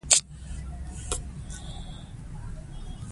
اداري واک باید محدود او مشخص وي.